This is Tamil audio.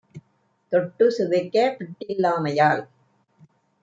தொட்டுச் சுவைக்கப் பிட்டில் லாமையால்